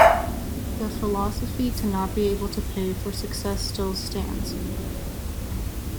The philosophy to not be able to pay for success still stands.